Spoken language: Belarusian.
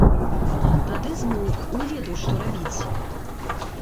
Тады змоўк, не ведаў, што рабіць.